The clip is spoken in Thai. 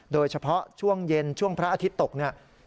โดยเฉพาะช่วงเย็นช่วงพระอาทิตย์ตกเนี่ย